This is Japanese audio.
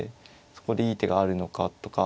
そこでいい手があるのかとか。